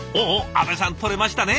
阿部さん撮れましたね。